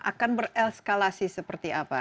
akan berekskalasi seperti apa